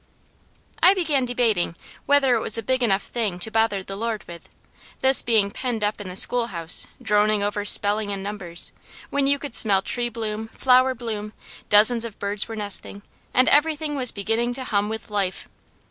I began debating whether it was a big enough thing to bother the Lord with: this being penned up in the schoolhouse droning over spelling and numbers, when you could smell tree bloom, flower bloom, dozens of birds were nesting, and everything was beginning to hum with life.